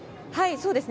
そうですね。